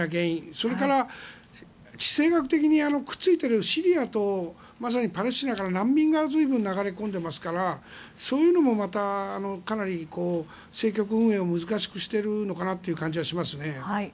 それから地政学的にくっついているシリアとパレスチナから難民が随分流れ込んでますからそういうのもまたかなり政局運営を難しくしている感じがします。